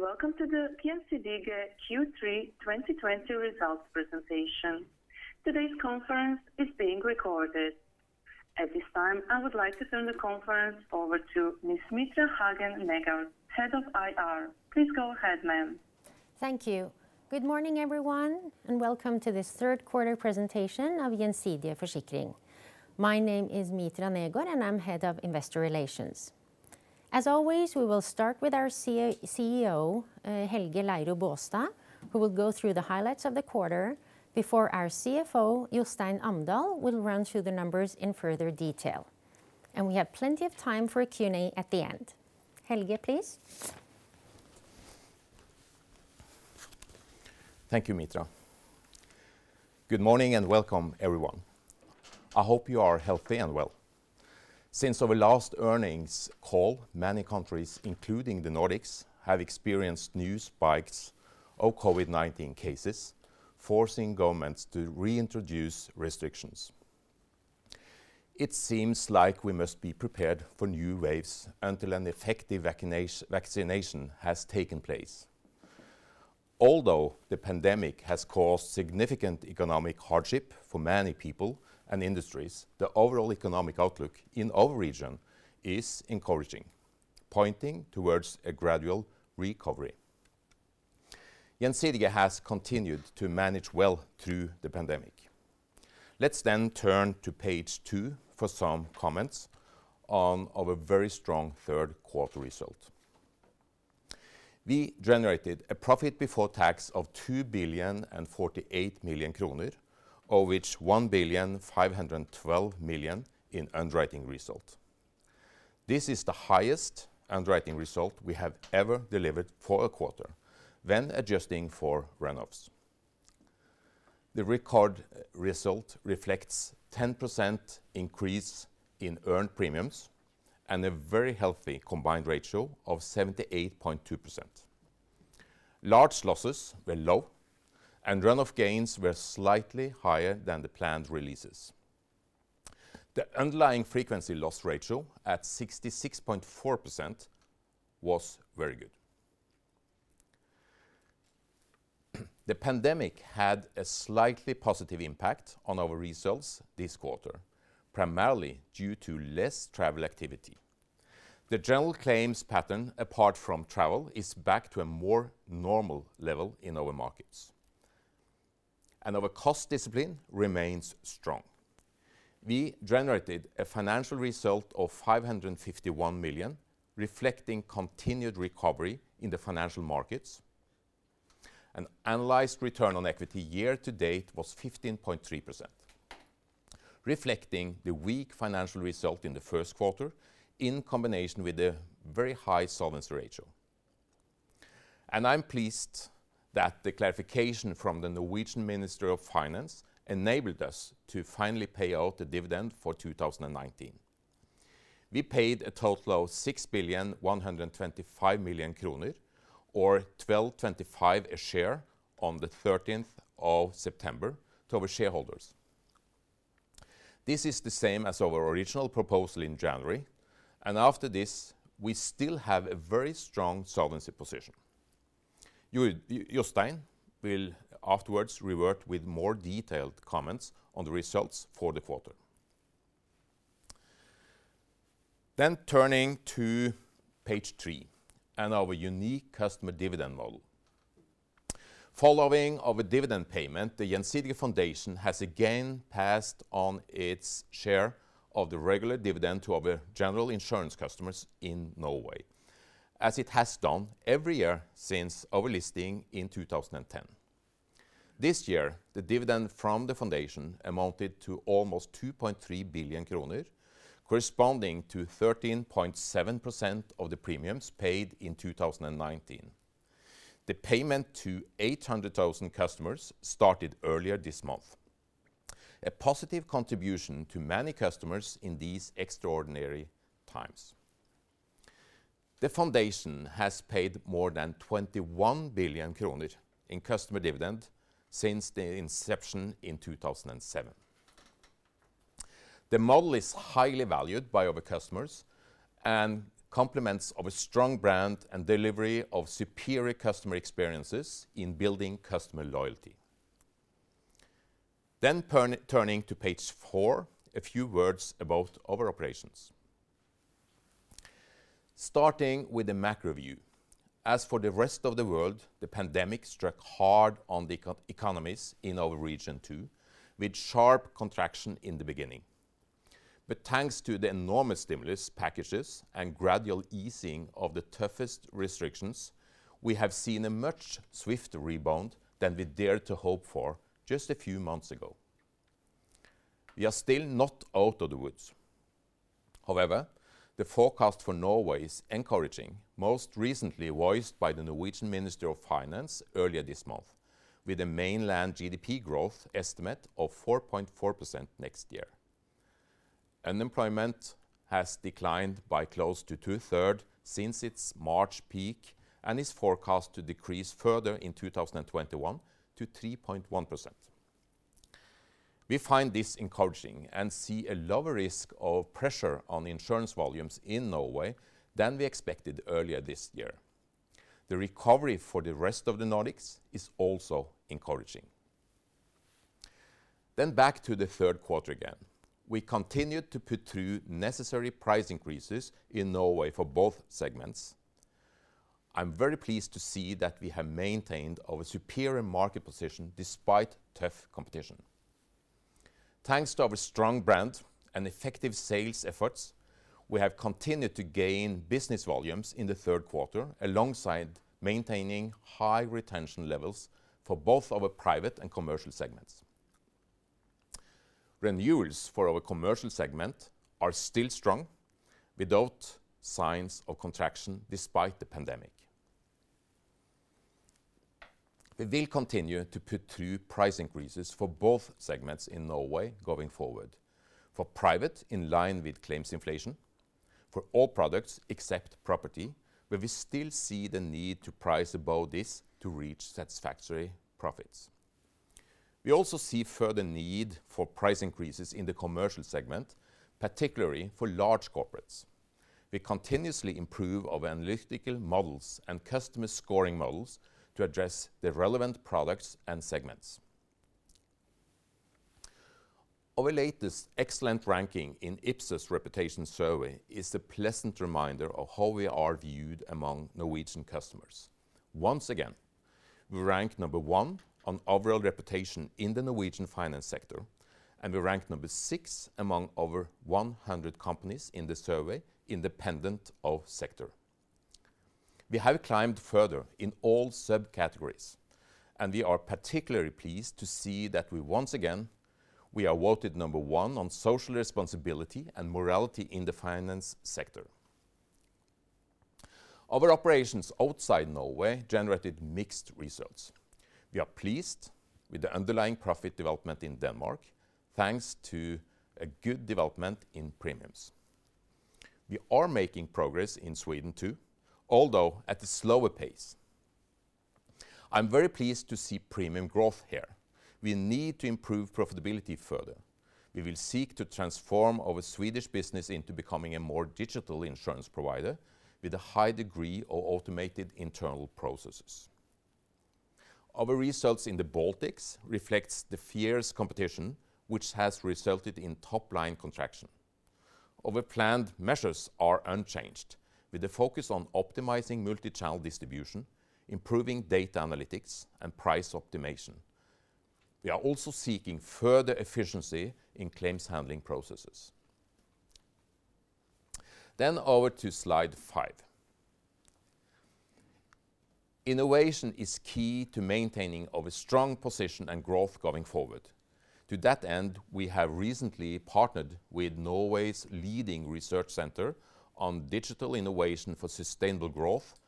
Welcome to the Gjensidige Q3 2020 results presentation. Today's conference is being recorded. At this time, I would like to turn the conference over to Ms. Mitra Hagen Negård, Head of IR. Please go ahead, ma'am. Thank you. Good morning, everyone, and welcome to this third quarter presentation of Gjensidige Forsikring. My name is Mitra Negård, and I'm Head of Investor Relations. As always, we will start with our CEO, Helge Leiro Baastad, who will go through the highlights of the quarter before our CFO, Jostein Amdal, will run through the numbers in further detail. We have plenty of time for a Q&A at the end. Helge, please. Thank you, Mitra. Good morning and welcome, everyone. I hope you are healthy and well. Since our last earnings call, many countries, including the Nordics, have experienced new spikes of COVID-19 cases, forcing governments to reintroduce restrictions. It seems like we must be prepared for new waves until an effective vaccination has taken place. Although the pandemic has caused significant economic hardship for many people and industries, the overall economic outlook in our region is encouraging, pointing towards a gradual recovery. Gjensidige has continued to manage well through the pandemic. Let's turn to page two for some comments on our very strong third quarter result. We generated a profit before tax of 2,048 million kroner, of which 1,512 million in underwriting result. This is the highest underwriting result we have ever delivered for a quarter when adjusting for run-offs. The record result reflects 10% increase in earned premiums and a very healthy combined ratio of 78.2%. Large losses were low, and run-off gains were slightly higher than the planned releases. The underlying frequency loss ratio at 66.4% was very good. The pandemic had a slightly positive impact on our results this quarter, primarily due to less travel activity. The general claims pattern, apart from travel, is back to a more normal level in our markets, and our cost discipline remains strong. We generated a financial result of 551 million, reflecting continued recovery in the financial markets. An annualized return on equity year to date was 15.3%, reflecting the weak financial result in the first quarter in combination with a very high solvency ratio. I'm pleased that the clarification from the Norwegian Minister of Finance enabled us to finally pay out the dividend for 2019. We paid a total of 6.125 billion, or 12.25 a share, on the September 13th to our shareholders. This is the same as our original proposal in January, and after this, we still have a very strong solvency position. Jostein will afterwards revert with more detailed comments on the results for the quarter. Turning to page three and our unique customer dividend model. Following our dividend payment, the Gjensidige Foundation has again passed on its share of the regular dividend to our general insurance customers in Norway, as it has done every year since our listing in 2010. This year, the dividend from the Foundation amounted to almost 2.3 billion kroner, corresponding to 13.7% of the premiums paid in 2019. The payment to 800,000 customers started earlier this month. A positive contribution to many customers in these extraordinary times. The Foundation has paid more than 21 billion kroner in customer dividend since the inception in 2007. The model is highly valued by our customers and complements our strong brand and delivery of superior customer experiences in building customer loyalty. Turning to page four, a few words about our operations. Starting with the macro view. For the rest of the world, the pandemic struck hard on the economies in our region, too, with sharp contraction in the beginning. Thanks to the enormous stimulus packages and gradual easing of the toughest restrictions, we have seen a much swifter rebound than we dared to hope for just a few months ago. We are still not out of the woods. The forecast for Norway is encouraging, most recently voiced by the Norwegian Minister of Finance earlier this month, with a mainland GDP growth estimate of 4.4% next year. Unemployment has declined by close to two-third since its March peak and is forecast to decrease further in 2021 to 3.1%. We find this encouraging and see a lower risk of pressure on the insurance volumes in Norway than we expected earlier this year. The recovery for the rest of the Nordics is also encouraging. Back to the third quarter again. We continued to put through necessary price increases in Norway for both segments. I'm very pleased to see that we have maintained our superior market position despite tough competition. Thanks to our strong brand and effective sales efforts, we have continued to gain business volumes in the third quarter, alongside maintaining high retention levels for both our private and commercial segments. Renewals for our commercial segment are still strong, without signs of contraction despite the pandemic. We will continue to put through price increases for both segments in Norway going forward. For private, in line with claims inflation, for all products except property, where we still see the need to price above this to reach satisfactory profits. We also see further need for price increases in the commercial segment, particularly for large corporates. We continuously improve our analytical models and customer scoring models to address the relevant products and segments. Our latest excellent ranking in Ipsos reputation survey is a pleasant reminder of how we are viewed among Norwegian customers. Once again, we rank number one on overall reputation in the Norwegian finance sector, and we rank number six among over 100 companies in the survey, independent of sector. We have climbed further in all subcategories, and we are particularly pleased to see that we once again were voted number one on social responsibility and morality in the finance sector. Our operations outside Norway generated mixed results. We are pleased with the underlying profit development in Denmark, thanks to a good development in premiums. We are making progress in Sweden too, although at a slower pace. I'm very pleased to see premium growth here. We need to improve profitability further. We will seek to transform our Swedish business into becoming a more digital insurance provider with a high degree of automated internal processes. Our results in the Baltics reflects the fierce competition, which has resulted in top-line contraction. Our planned measures are unchanged, with a focus on optimizing multichannel distribution, improving data analytics, and price optimization. We are also seeking further efficiency in claims handling processes. Over to slide five. Innovation is key to maintaining of a strong position and growth going forward. To that end, we have recently partnered with Norway's leading research center on digital innovation for sustainable growth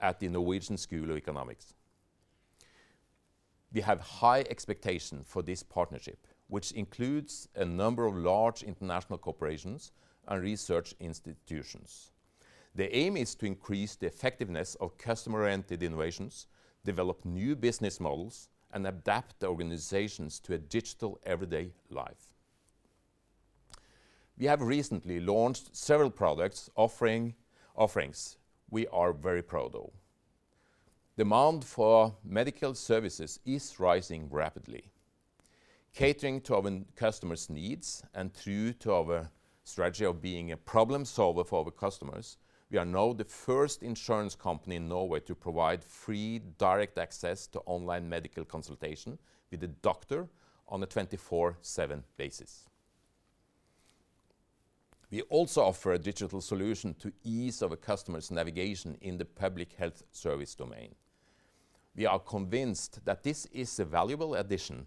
at the Norwegian School of Economics. We have high expectation for this partnership, which includes a number of large international corporations and research institutions. The aim is to increase the effectiveness of customer-centered innovations, develop new business models, and adapt the organizations to a digital everyday life. We have recently launched several products offerings we are very proud of. Demand for medical services is rising rapidly. Catering to our customers' needs and true to our strategy of being a problem solver for our customers, we are now the first insurance company in Norway to provide free direct access to online medical consultation with a doctor on a 24/7 basis. We also offer a digital solution to ease our customers' navigation in the public health service domain. We are convinced that this is a valuable addition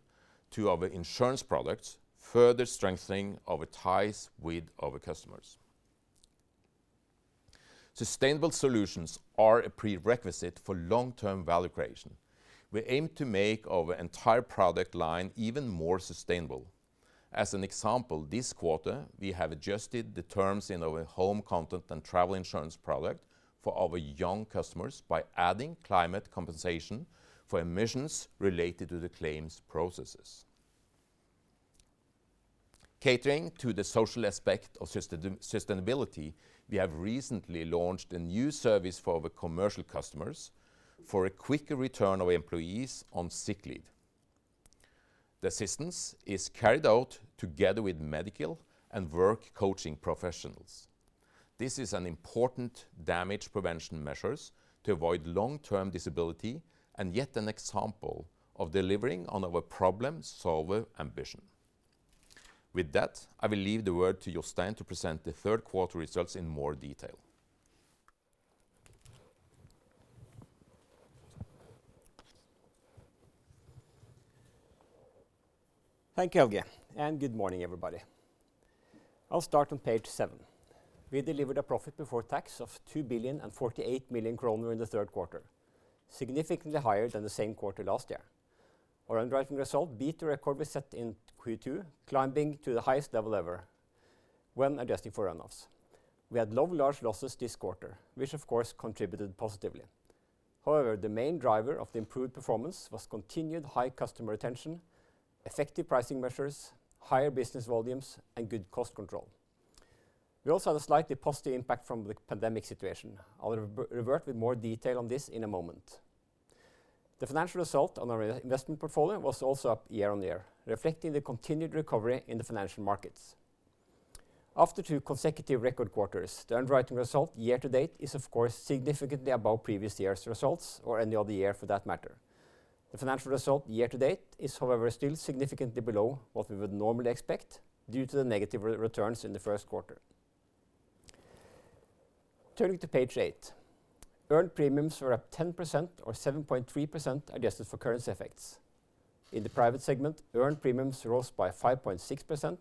to our insurance products, further strengthening our ties with our customers. Sustainable solutions are a prerequisite for long-term value creation. We aim to make our entire product line even more sustainable. As an example, this quarter, we have adjusted the terms in our home content and travel insurance product for our young customers by adding climate compensation for emissions related to the claims processes. Catering to the social aspect of sustainability, we have recently launched a new service for our commercial customers for a quicker return of employees on sick leave. The assistance is carried out together with medical and work coaching professionals. This is an important damage prevention measure to avoid long-term disability and yet an example of delivering on our problem solver ambition. With that, I will leave the word to Jostein to present the third quarter results in more detail. Thank you, Helge. Good morning, everybody. I'll start on page seven. We delivered a profit before tax of 2.048 billion in the third quarter, significantly higher than the same quarter last year. Our underwriting result beat the record we set in Q2, climbing to the highest level ever when adjusting for runoffs. We had low large losses this quarter, which of course, contributed positively. The main driver of the improved performance was continued high customer retention, effective pricing measures, higher business volumes, and good cost control. We also had a slightly positive impact from the pandemic situation. I'll revert with more detail on this in a moment. The financial result on our investment portfolio was also up year-over-year, reflecting the continued recovery in the financial markets. After two consecutive record quarters, the underwriting result year to date is, of course, significantly above previous year's results or any other year for that matter. The financial result year to date is, however, still significantly below what we would normally expect due to the negative returns in the first quarter. Turning to page eight. Earned premiums were up 10% or 7.3% adjusted for currency effects. In the private segment, earned premiums rose by 5.6%,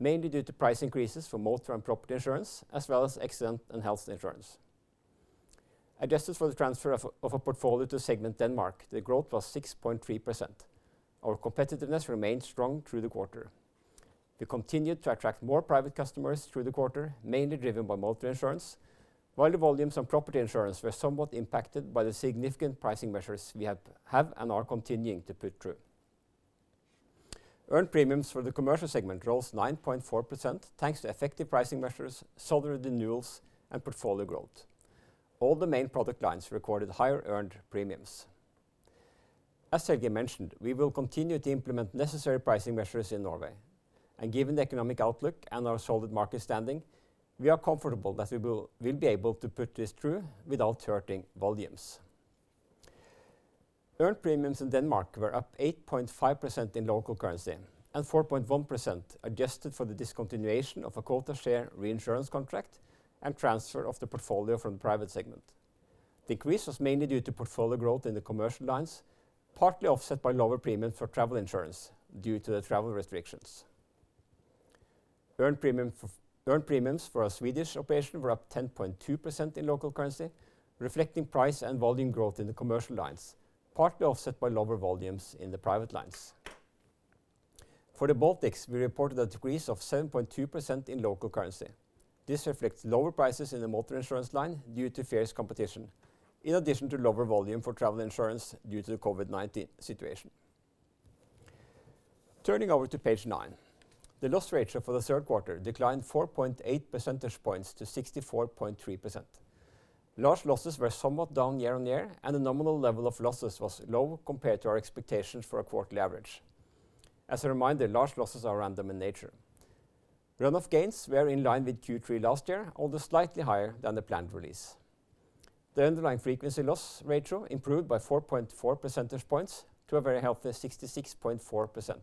mainly due to price increases for motor and property insurance, as well as accident and health insurance. Adjusted for the transfer of a portfolio to segment Denmark, the growth was 6.3%. Our competitiveness remained strong through the quarter. We continued to attract more private customers through the quarter, mainly driven by motor insurance, while the volumes on property insurance were somewhat impacted by the significant pricing measures we have and are continuing to put through. Earned premiums for the commercial segment rose 9.4% thanks to effective pricing measures, solid renewals, and portfolio growth. All the main product lines recorded higher earned premiums. As Helge mentioned, we will continue to implement necessary pricing measures in Norway. Given the economic outlook and our solid market standing, we are comfortable that we will be able to put this through without hurting volumes. Earned premiums in Denmark were up 8.5% in local currency and 4.1% adjusted for the discontinuation of a quota share reinsurance contract and transfer of the portfolio from the private segment. Decrease was mainly due to portfolio growth in the commercial lines, partly offset by lower premiums for travel insurance due to the travel restrictions. Earned premiums for our Swedish operation were up 10.2% in local currency, reflecting price and volume growth in the commercial lines, partly offset by lower volumes in the private lines. For the Baltics, we reported a decrease of 7.2% in local currency. This reflects lower prices in the motor insurance line due to fierce competition, in addition to lower volume for travel insurance due to the COVID-19 situation. Turning over to page nine. The loss ratio for the third quarter declined 4.8 percentage points to 64.3%. Large losses were somewhat down year-on-year, the nominal level of losses was low compared to our expectations for a quarterly average. As a reminder, large losses are random in nature. Runoff gains were in line with Q3 last year, although slightly higher than the planned release. The underlying frequency loss ratio improved by 4.4 percentage points to a very healthy 66.4%.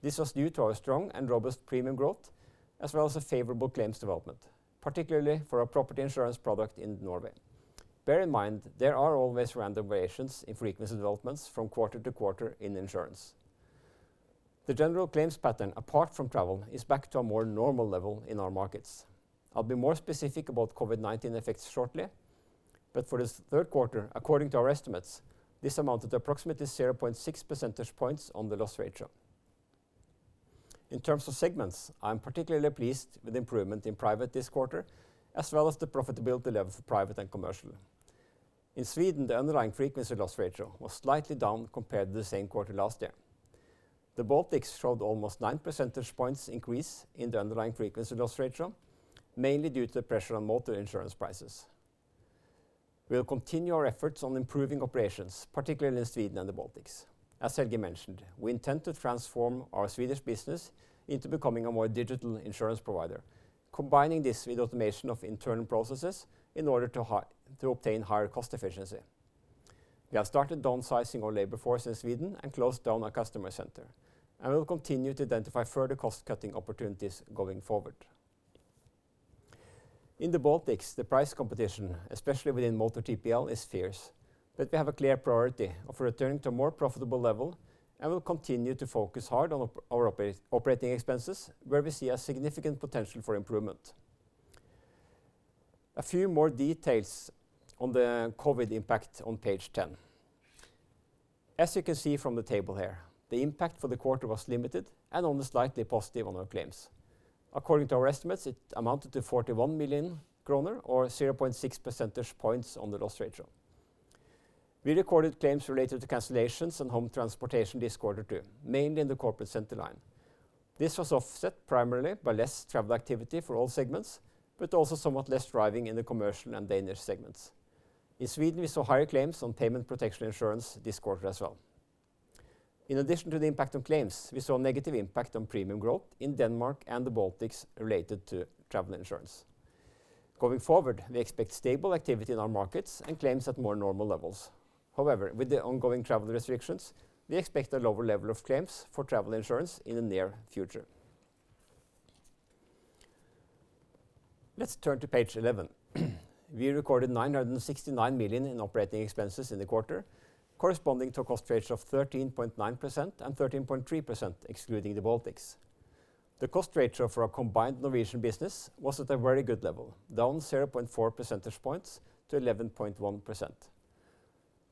This was due to our strong and robust premium growth, as well as a favorable claims development, particularly for our property insurance product in Norway. Bear in mind, there are always random variations in frequency developments from quarter to quarter in insurance. The general claims pattern, apart from travel, is back to a more normal level in our markets. I'll be more specific about COVID-19 effects shortly, but for this third quarter, according to our estimates, this amounted to approximately 0.6 percentage points on the loss ratio. In terms of segments, I am particularly pleased with the improvement in private this quarter, as well as the profitability level for private and commercial. In Sweden, the underlying frequency loss ratio was slightly down compared to the same quarter last year. The Baltics showed almost 9 percentage points increase in the underlying frequency loss ratio, mainly due to the pressure on motor insurance prices. We'll continue our efforts on improving operations, particularly in Sweden and the Baltics. As Helge mentioned, we intend to transform our Swedish business into becoming a more digital insurance provider, combining this with automation of internal processes in order to obtain higher cost efficiency. We have started downsizing our labor force in Sweden and closed down our customer center. We will continue to identify further cost-cutting opportunities going forward. In the Baltics, the price competition, especially within motor TPL, is fierce. We have a clear priority of returning to a more profitable level and will continue to focus hard on our operating expenses, where we see a significant potential for improvement. A few more details on the COVID impact on page 10. As you can see from the table here, the impact for the quarter was limited and almost slightly positive on our claims. According to our estimates, it amounted to 41 million kroner, or 0.6 percentage points on the loss ratio. We recorded claims related to cancellations and home transportation this quarter too, mainly in the corporate center line. This was offset primarily by less travel activity for all segments, but also somewhat less driving in the commercial and Danish segments. In Sweden, we saw higher claims on payment protection insurance this quarter as well. In addition to the impact on claims, we saw a negative impact on premium growth in Denmark and the Baltics related to travel insurance. Going forward, we expect stable activity in our markets and claims at more normal levels. However, with the ongoing travel restrictions, we expect a lower level of claims for travel insurance in the near future. Let's turn to page 11. We recorded 969 million in operating expenses in the quarter, corresponding to a cost ratio of 13.9% and 13.3% excluding the Baltics. The cost ratio for our combined Norwegian business was at a very good level, down 0.4 percentage points to 11.1%.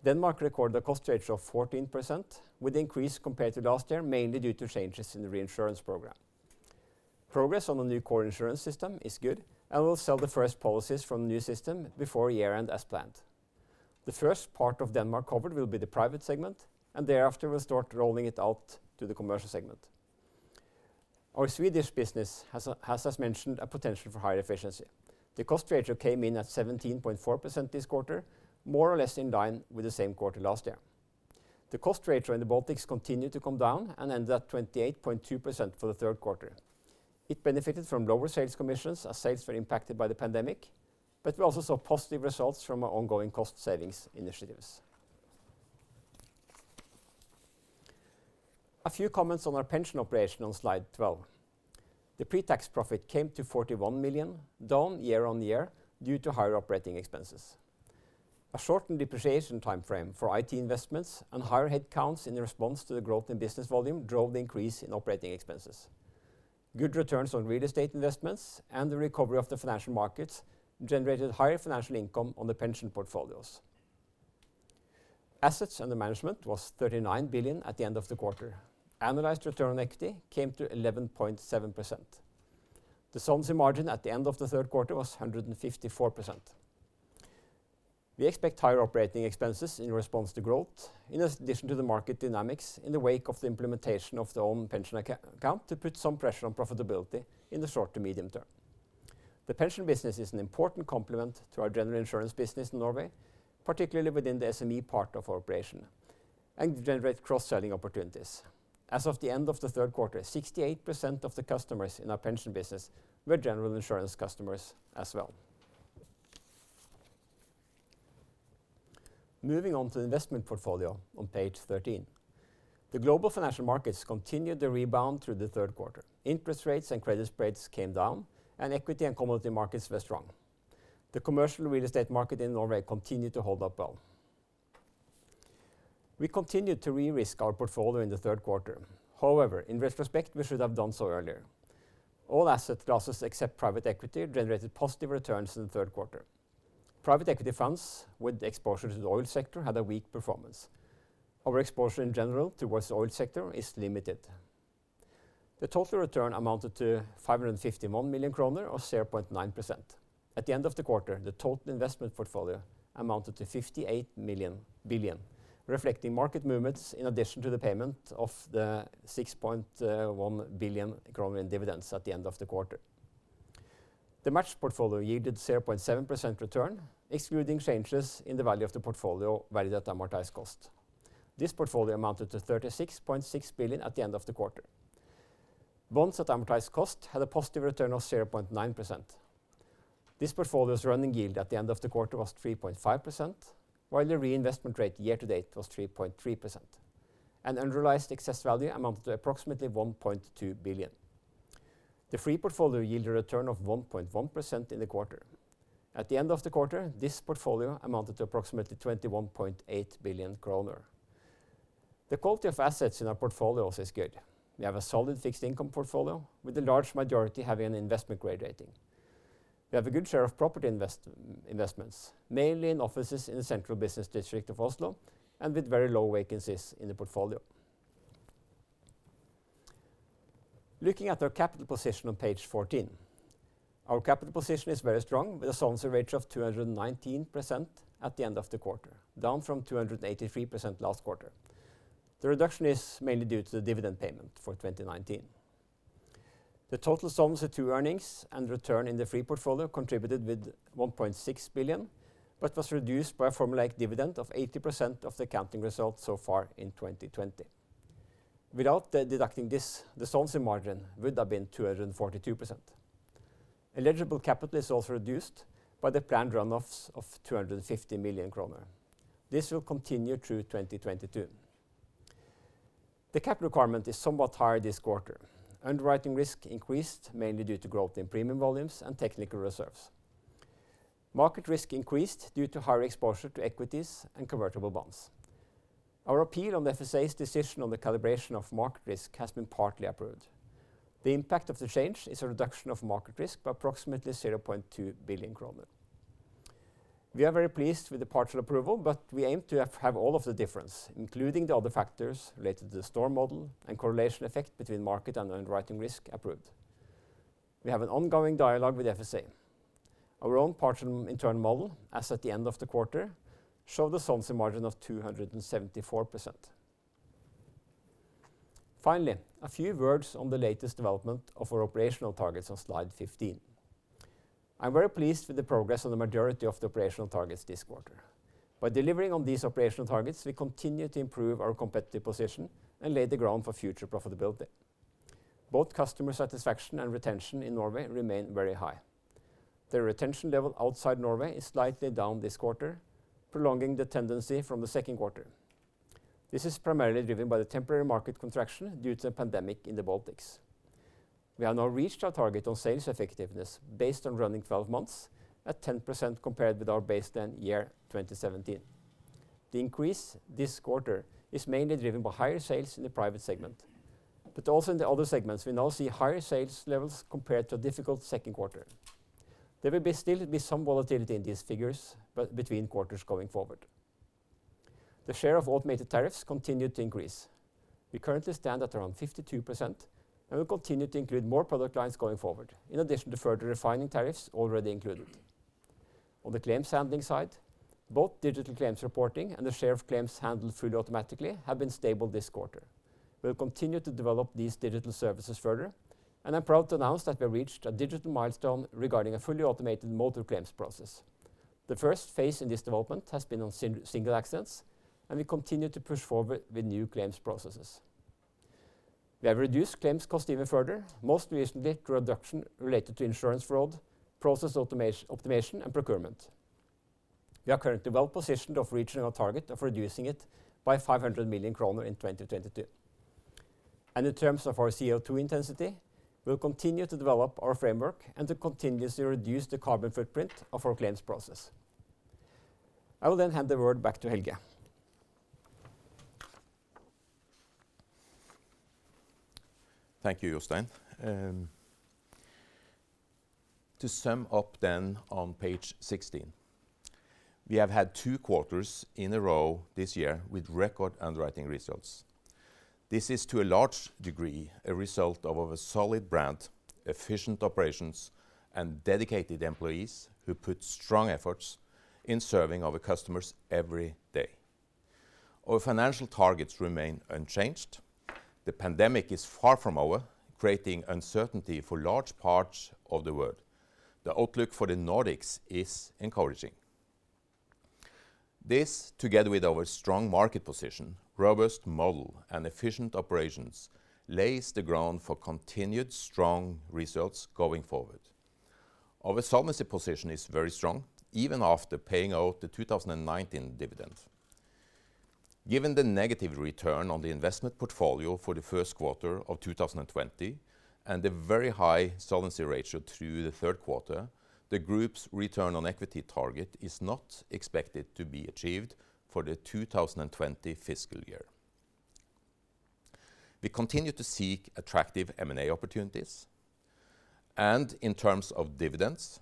Denmark recorded a cost ratio of 14% with increase compared to last year, mainly due to changes in the reinsurance program. Progress on the new core insurance system is good and will sell the first policies from the new system before year-end as planned. The first part of Denmark covered will be the private segment, and thereafter will start rolling it out to the commercial segment. Our Swedish business has, as mentioned, a potential for higher efficiency. The cost ratio came in at 17.4% this quarter, more or less in line with the same quarter last year. The cost ratio in the Baltics continued to come down and ended at 28.2% for the third quarter. It benefited from lower sales commissions as sales were impacted by the pandemic, but we also saw positive results from our ongoing cost savings initiatives. A few comments on our pension operation on slide 12. The pre-tax profit came to 41 million, down year-over-year due to higher operating expenses. A shortened depreciation timeframe for IT investments and higher headcounts in response to the growth in business volume drove the increase in operating expenses. Good returns on real estate investments and the recovery of the financial markets generated higher financial income on the pension portfolios. Assets under management was 39 billion at the end of the quarter. Annualized return on equity came to 11.7%. The solvency margin at the end of the third quarter was 154%. We expect higher operating expenses in response to growth, in addition to the market dynamics in the wake of the implementation of their own pension account to put some pressure on profitability in the short to medium term. The pension business is an important complement to our general insurance business in Norway, particularly within the SME part of our operation, and generates cross-selling opportunities. As of the end of the third quarter, 68% of the customers in our pension business were general insurance customers as well. Moving on to the investment portfolio on page 13. The global financial markets continued to rebound through the third quarter. Interest rates and credit spreads came down, and equity and commodity markets were strong. The commercial real estate market in Norway continued to hold up well. We continued to re-risk our portfolio in the third quarter. In retrospect, we should have done so earlier. All asset classes except private equity generated positive returns in the third quarter. Private equity funds with exposure to the oil sector had a weak performance. Our exposure in general towards the oil sector is limited. The total return amounted to 551 million kroner, or 0.9%. At the end of the quarter, the total investment portfolio amounted to 58 billion, reflecting market movements in addition to the payment of the 6.1 billion kroner in dividends at the end of the quarter. The matched portfolio yielded 0.7% return, excluding changes in the value of the portfolio valued at amortized cost. This portfolio amounted to 36.6 billion at the end of the quarter. Bonds at amortized cost had a positive return of 0.9%. This portfolio's running yield at the end of the quarter was 3.5%, while the reinvestment rate year to date was 3.3%. Unrealized excess value amounted to approximately 1.2 billion. The free portfolio yielded a return of 1.1% in the quarter. At the end of the quarter, this portfolio amounted to approximately 21.8 billion kroner. The quality of assets in our portfolios is good. We have a solid fixed income portfolio with the large majority having an investment-grade rating. We have a good share of property investments, mainly in offices in the central business district of Oslo and with very low vacancies in the portfolio. Looking at our capital position on page 14. Our capital position is very strong with a solvency ratio of 219% at the end of the quarter, down from 283% last quarter. The reduction is mainly due to the dividend payment for 2019. The total Solvency II earnings and return in the free portfolio contributed with 1.6 billion, but was reduced by a formulaic dividend of 80% of the accounting results so far in 2020. Without deducting this, the solvency margin would have been 242%. Eligible capital is also reduced by the planned runoffs of 250 million kroner. This will continue through 2022. The capital requirement is somewhat higher this quarter. Underwriting risk increased mainly due to growth in premium volumes and technical reserves. Market risk increased due to higher exposure to equities and convertible bonds. Our appeal on the FSA's decision on the calibration of market risk has been partly approved. The impact of the change is a reduction of market risk by approximately 0.2 billion kroner. We are very pleased with the partial approval, we aim to have all of the difference, including the other factors related to the storm model and correlation effect between market and underwriting risk approved. We have an ongoing dialogue with the FSA. Our own partial internal model, as at the end of the quarter, showed a solvency margin of 274%. Finally, a few words on the latest development of our operational targets on slide 15. I'm very pleased with the progress on the majority of the operational targets this quarter. By delivering on these operational targets, we continue to improve our competitive position and lay the ground for future profitability. Both customer satisfaction and retention in Norway remain very high. The retention level outside Norway is slightly down this quarter, prolonging the tendency from the second quarter. This is primarily driven by the temporary market contraction due to the pandemic in the Baltics. We have now reached our target on sales effectiveness based on running 12 months at 10% compared with our baseline year 2017. The increase this quarter is mainly driven by higher sales in the private segment, but also in the other segments, we now see higher sales levels compared to a difficult second quarter. There will still be some volatility in these figures between quarters going forward. The share of automated tariffs continued to increase. We currently stand at around 52%, and we continue to include more product lines going forward, in addition to further refining tariffs already included. On the claims handling side, both digital claims reporting and the share of claims handled fully automatically have been stable this quarter. We'll continue to develop these digital services further. I'm proud to announce that we have reached a digital milestone regarding a fully automated motor claims process. The phase I in this development has been on single accidents. We continue to push forward with new claims processes. We have reduced claims cost even further, most recently through a reduction related to insurance fraud, process optimization, and procurement. We are currently well-positioned of reaching our target of reducing it by 500 million kroner in 2022. In terms of our CO2 intensity, we'll continue to develop our framework and to continuously reduce the carbon footprint of our claims process. I will hand the word back to Helge. Thank you, Jostein. To sum up on page 16. We have had two quarters in a row this year with record underwriting results. This is, to a large degree, a result of our solid brand, efficient operations, and dedicated employees who put strong efforts in serving our customers every day. Our financial targets remain unchanged. The pandemic is far from over, creating uncertainty for large parts of the world. The outlook for the Nordics is encouraging. This, together with our strong market position, robust model, and efficient operations, lays the ground for continued strong results going forward. Our solvency position is very strong, even after paying out the 2019 dividend. Given the negative return on the investment portfolio for the first quarter of 2020 and the very high solvency ratio through the third quarter, the group's return on equity target is not expected to be achieved for the 2020 fiscal year. We continue to seek attractive M&A opportunities. In terms of dividends,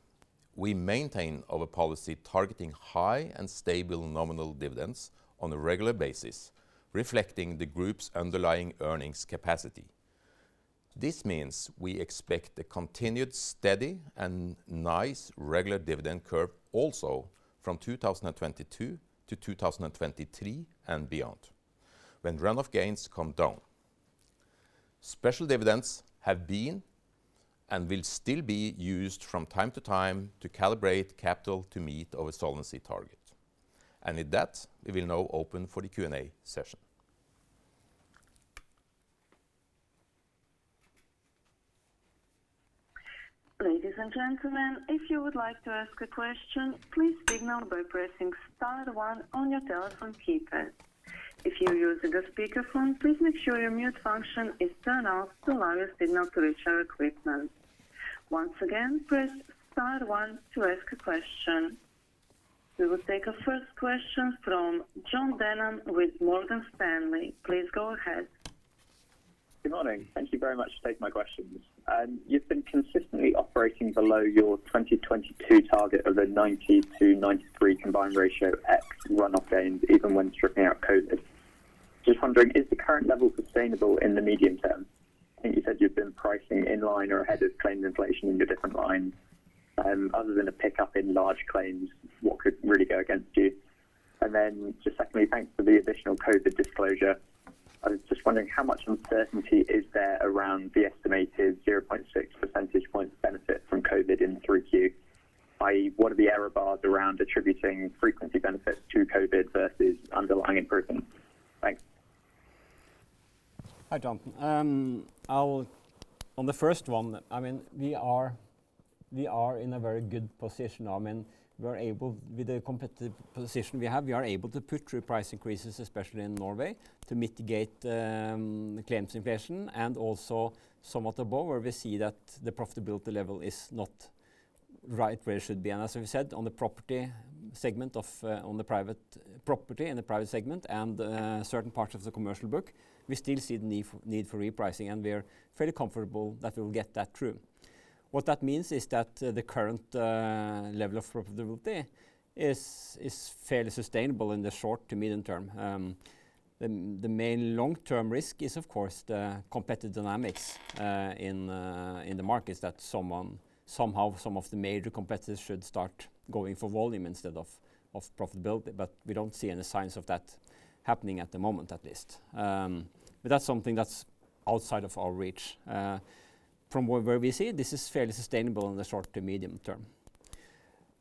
we maintain our policy targeting high and stable nominal dividends on a regular basis, reflecting the group's underlying earnings capacity. This means we expect a continued steady and nice regular dividend curve also from 2022 to 2023 and beyond, when run-off gains come down. Special dividends have been and will still be used from time to time to calibrate capital to meet our solvency target. With that, we will now open for the Q&A session. We will take our first question from Jon Denham with Morgan Stanley. Please go ahead. Good morning. Thank you very much for taking my questions. You've been consistently operating below your 2022 target of a 92, 93 combined ratio ex run-off gains, even when stripping out COVID. Just wondering, is the current level sustainable in the medium term? I think you said you've been pricing in line or ahead of claims inflation in your different lines. Other than a pickup in large claims, what could really go against you? Then just secondly, thanks for the additional COVID disclosure. I was just wondering how much uncertainty is there around the estimated 0.6 percentage points benefit from COVID in Q3, i.e. what are the error bars around attributing frequency benefits to COVID versus underlying improvement? Thanks. Hi, Jon. On the first one, we are in a very good position. With the competitive position we have, we are able to put through price increases, especially in Norway, to mitigate claims inflation, and also somewhat above where we see that the profitability level is not right where it should be. As we said, on the property segment, on the private property and the private segment and certain parts of the commercial book, we still see the need for repricing, and we are fairly comfortable that we'll get that through. What that means is that the current level of profitability is fairly sustainable in the short to medium term. The main long-term risk is, of course, the competitive dynamics in the markets that somehow some of the major competitors should start going for volume instead of profitability. We don't see any signs of that happening at the moment, at least. That's something that's outside of our reach. From where we sit, this is fairly sustainable in the short to medium term.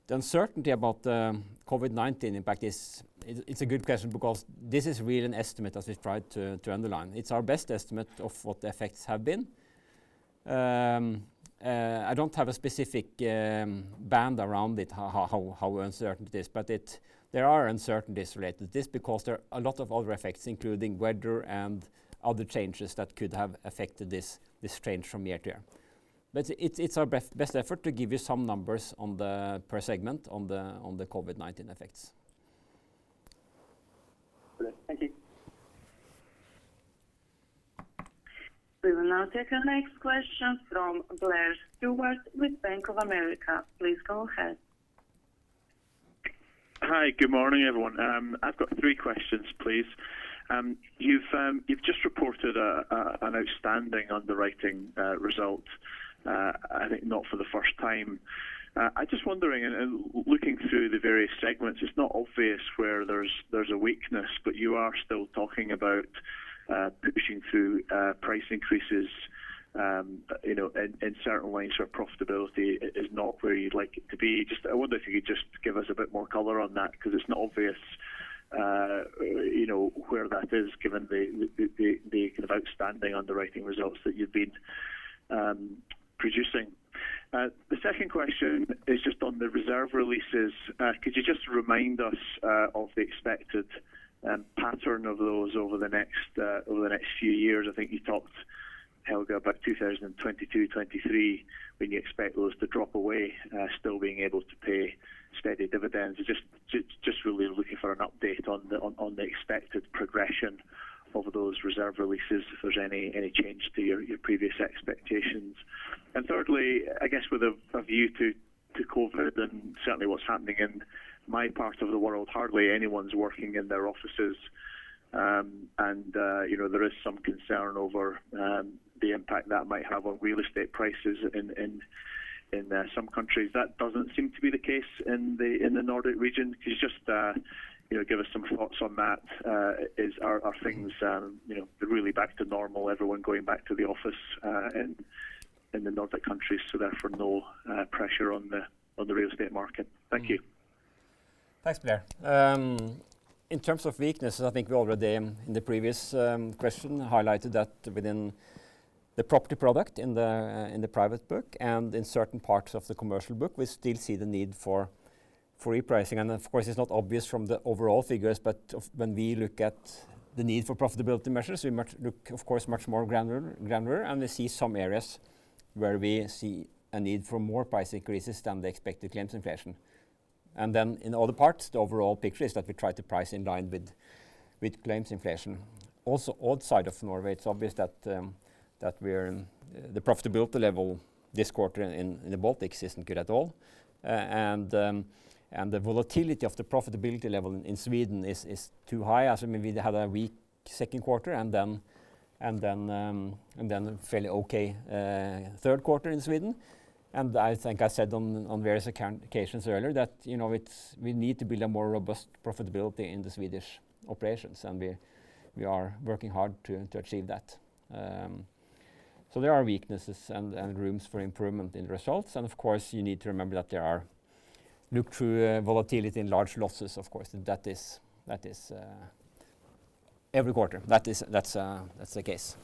The uncertainty about the COVID-19 impact is a good question because this is really an estimate, as we've tried to underline. It's our best estimate of what the effects have been. I don't have a specific band around it, how uncertain it is. There are uncertainties related to this because there are a lot of other effects, including weather and other changes that could have affected this change from year to year. It's our best effort to give you some numbers per segment on the COVID-19 effects. Brilliant. Thank you. We will now take our next question from Blair Stewart with Bank of America. Please go ahead. Hi. Good morning, everyone. I've got three questions, please. You've just reported an outstanding underwriting result, I think not for the first time. Just wondering, and looking through the various segments, it's not obvious where there's a weakness, but you are still talking about pushing through price increases, and in certain ways your profitability is not where you'd like it to be. I wonder if you could just give us a bit more color on that, because it's not obvious where that is given the kind of outstanding underwriting results that you've been producing. The second question is just on the reserve releases. Could you just remind us of the expected pattern of those over the next few years? I think you talked about 2022/2023, when you expect those to drop away, still being able to pay steady dividends. Just really looking for an update on the expected progression of those reserve releases, if there's any change to your previous expectations. Thirdly, I guess with a view to COVID and certainly what's happening in my part of the world, hardly anyone's working in their offices. There is some concern over the impact that might have on real estate prices in some countries. That doesn't seem to be the case in the Nordic region. Could you just give us some thoughts on that. Are things really back to normal, everyone going back to the office in the Nordic countries, so therefore no pressure on the real estate market? Thank you. Thanks, Blair. In terms of weaknesses, I think we already in the previous question highlighted that within the property product in the private book and in certain parts of the commercial book, we still see the need for repricing. Of course, it's not obvious from the overall figures, but when we look at the need for profitability measures, we look of course much more granular, and we see some areas where we see a need for more price increases than the expected claims inflation. Then in other parts, the overall picture is that we try to price in line with claims inflation. Outside of Norway, it's obvious that the profitability level this quarter in the Baltics isn't good at all. The volatility of the profitability level in Sweden is too high, as maybe they had a weak second quarter and then a fairly okay third quarter in Sweden. I think I said on various occasions earlier that we need to build a more robust profitability in the Swedish operations, and we are working hard to achieve that. There are weaknesses and rooms for improvement in results. Of course, you need to remember that there are look-through volatility in large losses, of course. That is every quarter. That's the case.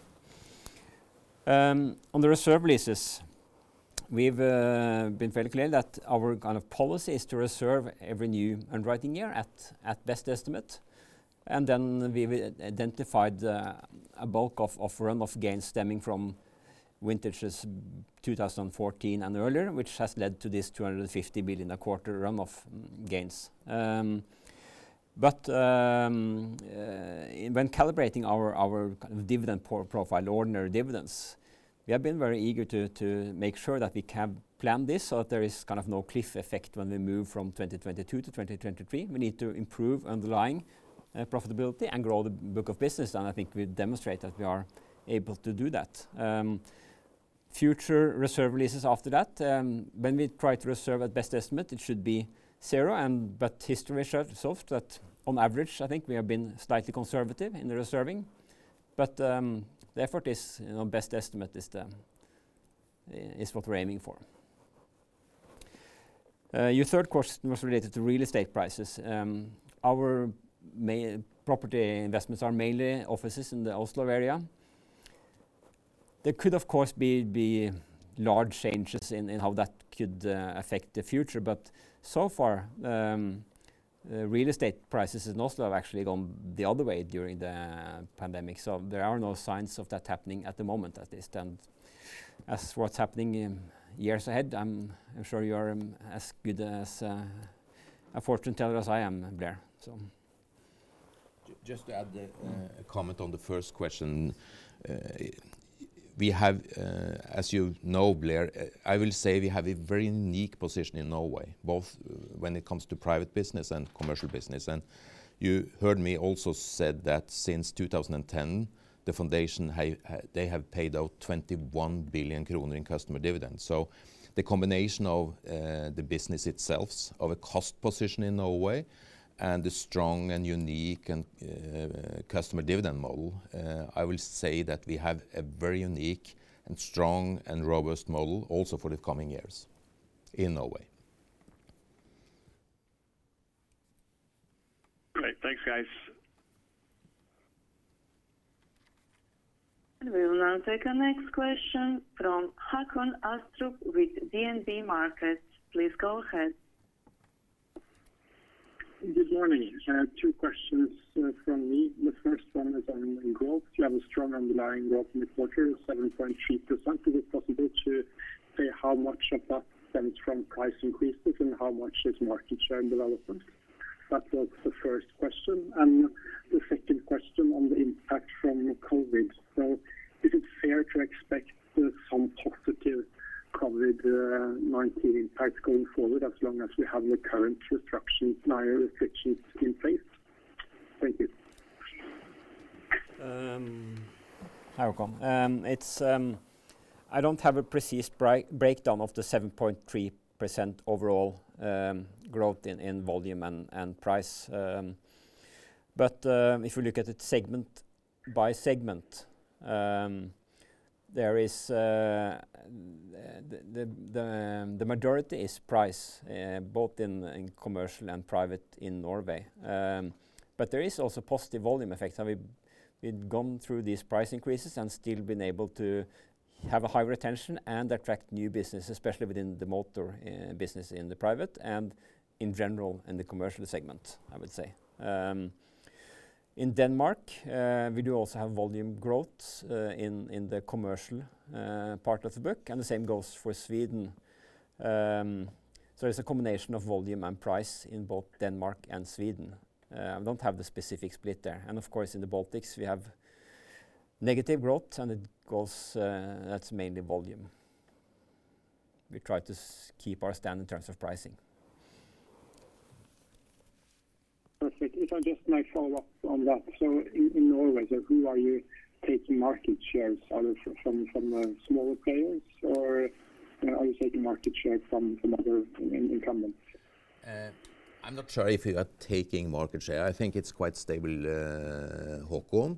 On the reserve releases, we've been fairly clear that our policy is to reserve every new underwriting year at best estimate. Then we've identified a bulk of run-off gains stemming from vintages 2014 and earlier, which has led to this 250 million a quarter run-off gains. When calibrating our dividend profile, ordinary dividends, we have been very eager to make sure that we can plan this so that there is no cliff effect when we move from 2022 to 2023. We need to improve underlying profitability and grow the book of business, and I think we demonstrate that we are able to do that. Future reserve releases after that, when we try to reserve at best estimate, it should be zero. History shows that on average, I think we have been slightly conservative in the reserving. The effort is best estimate is what we're aiming for. Your third question was related to real estate prices. Our property investments are mainly offices in the Oslo area. There could of course be large changes in how that could affect the future. So far, real estate prices in Oslo have actually gone the other way during the pandemic. There are no signs of that happening at the moment, at least. As what's happening in years ahead, I'm sure you are as good a fortune teller as I am, Blair. Just to add a comment on the first question. As you know, Blair, I will say we have a very unique position in Norway, both when it comes to private business and commercial business. You heard me also said that since 2010, the Foundation, they have paid out 21 billion kroner in customer dividends. The combination of the business itself, of a cost position in Norway, and the strong and unique customer dividend model, I will say that we have a very unique and strong and robust model also for the coming years in Norway. Great. Thanks, guys. We will now take our next question from Håkon Astrup with DNB Markets. Please go ahead. Good morning. I have two questions from me. The first one is on growth. You have a strong underlying growth in the quarter, 7.3%. Is it possible to say how much of that stems from price increases and how much is market share development? That was the first question. The second question on the impact from COVID-19. Is it fair to expect some positive COVID-19 impacts going forward, as long as we have the current restrictions in place? Thank you. Håkon. I don't have a precise breakdown of the 7.3% overall growth in volume and price. If we look at it segment by segment, the majority is price, both in commercial and private in Norway. There is also positive volume effects. We've gone through these price increases and still been able to have a high retention and attract new business, especially within the motor business in the private and in general in the commercial segment, I would say. In Denmark, we do also have volume growth in the commercial part of the book, and the same goes for Sweden. It's a combination of volume and price in both Denmark and Sweden. I don't have the specific split there. Of course, in the Baltics, we have negative growth and that's mainly volume. We try to keep our stand in terms of pricing. Perfect. If I just may follow up on that. In Norway, who are you taking market shares? Are they from smaller players, or are you taking market share from other incumbents? I'm not sure if we are taking market share. I think it's quite stable, Håkon.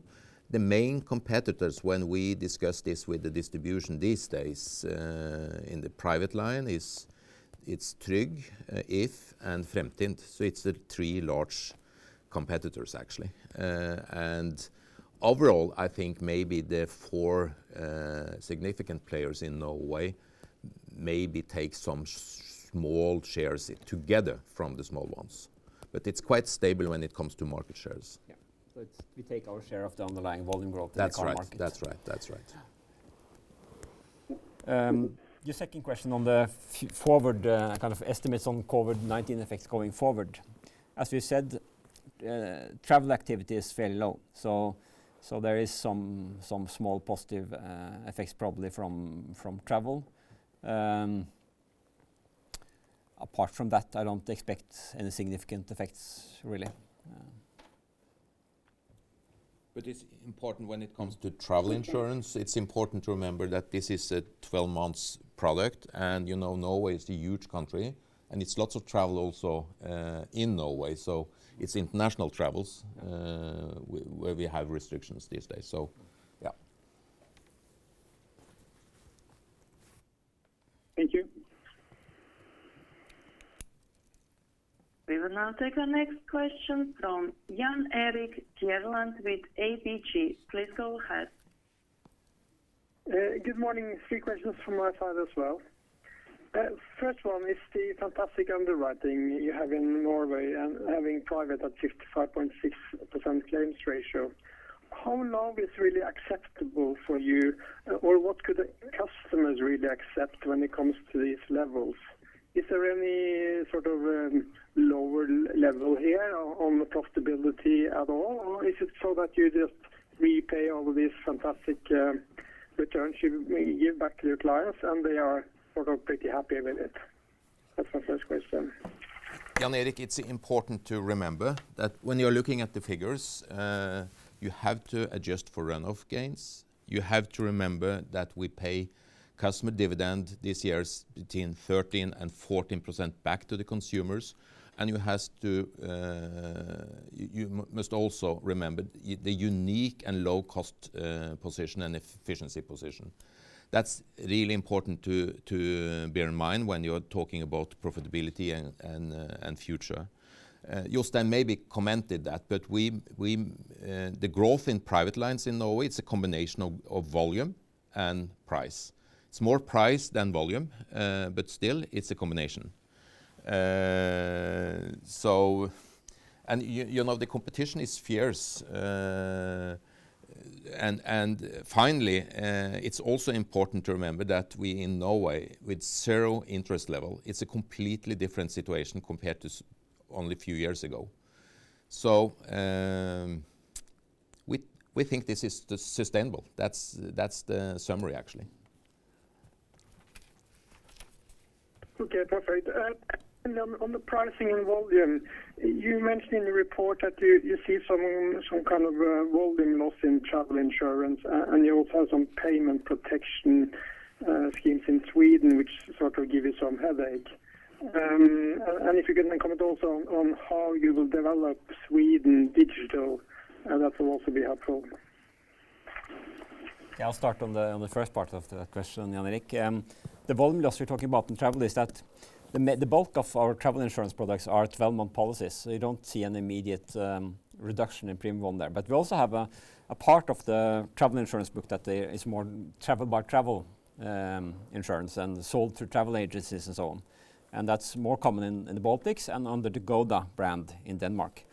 The main competitors when we discuss this with the distribution these days, in the private line, it's Tryg, If, and Fremtind. It's the three large competitors, actually. Overall, I think maybe the four significant players in Norway maybe take some small shares together from the small ones. It's quite stable when it comes to market shares. Yeah. We take our share of the underlying volume growth in the current market. That's right. Your second question on the forward estimates on COVID-19 effects going forward. As we said, travel activity is fairly low. There is some small positive effects probably from travel. Apart from that, I don't expect any significant effects, really. When it comes to travel insurance, it's important to remember that this is a 12 months product, Norway is a huge country, it's lots of travel also in Norway, it's international travels, where we have restrictions these days. Yeah. Thank you. We will now take our next question from Jan Erik Gjerland with ABG. Please go ahead. Good morning. Three questions from my side as well. First one is the fantastic underwriting you have in Norway and having private at 55.6% claims ratio. How long is really acceptable for you, or what could the customers really accept when it comes to these levels? Is there any sort of lower level here on the profitability at all, or is it so that you just repay all these fantastic returns you give back to your clients and they are pretty happy with it? That's my first question. Jan Erik, it's important to remember that when you're looking at the figures, you have to adjust for run-off gains. You have to remember that we pay customer dividend. This year is between 13% and 14% back to the consumers, you must also remember the unique and low-cost position and efficiency position. That's really important to bear in mind when you're talking about profitability and future. Jostein maybe commented that, the growth in private lines in Norway, it's a combination of volume and price. It's more price than volume, still, it's a combination. The competition is fierce. Finally, it's also important to remember that we, in Norway, with zero interest level, it's a completely different situation compared to only a few years ago. We think this is sustainable. That's the summary, actually. Okay, perfect. On the pricing and volume, you mentioned in the report that you see some kind of volume loss in travel insurance, and you also have some payment protection schemes in Sweden, which sort of give you some headache. If you can then comment also on how you will develop Sweden digital, and that will also be helpful. Yeah, I'll start on the first part of the question, Jan Erik. The volume loss you're talking about in travel is that the bulk of our travel insurance products are 12-month policies, so you don't see an immediate reduction in premium on there. We also have a part of the travel insurance book that is more travel-by-travel insurance and sold through travel agencies and so on. That's more common in the Baltics and under the Gouda brand in Denmark.